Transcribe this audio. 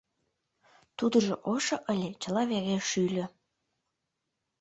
Тудыжо ошо ыле, чыла вере шӱльӧ.